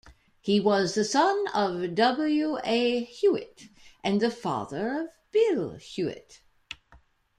He was the son of W. A. Hewitt, and the father of Bill Hewitt.